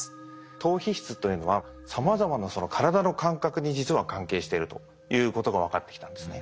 島皮質というのはさまざまな体の感覚に実は関係しているということが分かってきたんですね。